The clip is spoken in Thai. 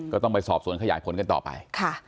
ก็ต้องไปสอบสวนขยายผลกันต่อไป